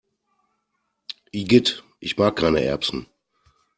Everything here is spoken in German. Igitt, ich mag keine Erbsen!